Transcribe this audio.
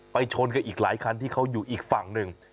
ชนกับอีกหลายคันที่เขาอยู่อีกฝั่งหนึ่ง